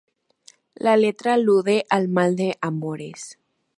La letra alude al mal de amores.